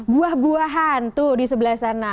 buah buahan tuh di sebelah sana